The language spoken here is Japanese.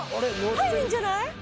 入るんじゃない？